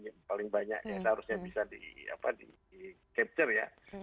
yang paling banyak yang seharusnya bisa di capture ya